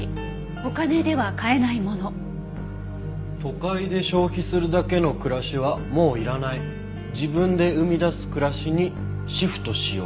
「お金では買えないもの」「都会で消費するだけの暮らしはもういらない」「自分で生み出す暮らしにシフトしよう」